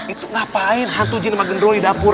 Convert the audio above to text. itu ngapain hantu jin sama gendro di dapur